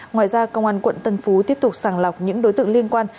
ngoài ra công an quận tân phú tiếp tục sàng lọc những đối tượng liên quan